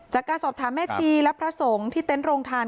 จากการสอบถามแม่ชีและพระสงฆ์ที่เต็นต์โรงทาน